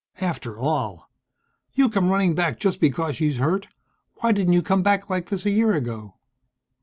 "After all! You come running back just because she's hurt. Why didn't you come back like this a year ago?"